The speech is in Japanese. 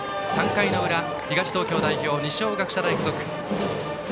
３回裏東東京代表、二松学舎大付属。